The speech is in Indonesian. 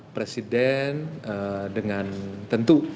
presiden dengan tentu